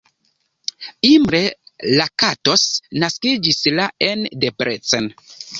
Imre Lakatos naskiĝis la en Debrecen.